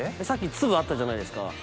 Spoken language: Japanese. さっき粒あったじゃないですか。